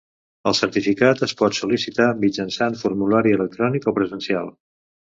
El certificat es pot sol·licitar mitjançant formulari electrònic o presencial.